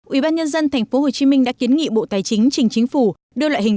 ủy ban nhân dân tp hcm đã kiến nghị bộ tài chính trình chính phủ đưa loại hình